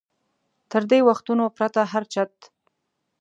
تر دې وختونو پرته هر چت.